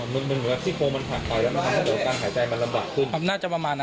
อ๋อมันเหมือนกับซี่โครงมันผ่านไปแล้วมันทำให้การหายใจมันลำบากขึ้น